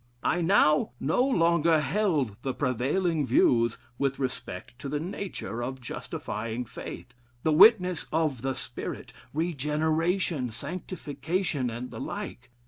I now no longer held the prevailing views with respect to the nature of justifying faith, the witness of the Spirit, regeneration, sanctification, and the like.